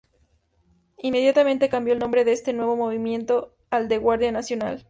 Inmediatamente, cambió el nombre de este nuevo movimiento al de "Guardia Nacional".